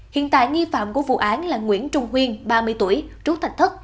hiện tại nghi phạm của vụ án là nguyễn trung huyên ba mươi tuổi trú thạch thất